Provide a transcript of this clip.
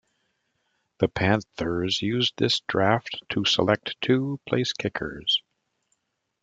The Panthers used this draft to select two placekickers.